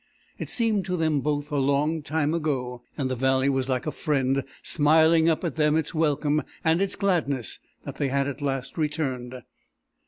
It seemed to them both a long time ago, and the valley was like a friend smiling up at them its welcome and its gladness that they had at last returned.